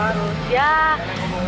ya kayaknya dunia off road itu lebih baik